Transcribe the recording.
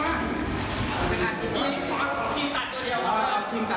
เฮ้ยบอย